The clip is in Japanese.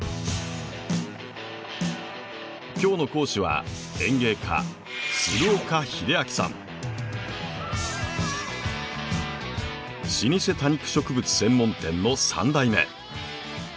今日の講師は老舗多肉植物専門店の３代目。